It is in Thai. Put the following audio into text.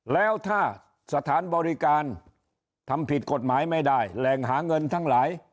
แล้วถ้าสถานบริการทำผิดกฎหมายไม่ได้แหล่งหาเงินทั้งหลาย